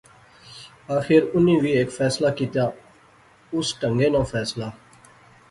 آخر انیں وی ہیک فیصلہ کیتیا اس ٹہنگے ناں فیصلہ